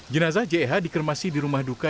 jenazah jeh dikermasi di rumah dukungan